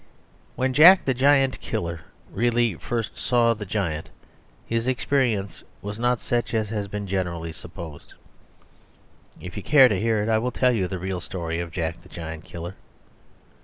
..... When Jack the Giant Killer really first saw the giant his experience was not such as has been generally supposed. If you care to hear it I will tell you the real story of Jack the Giant Killer.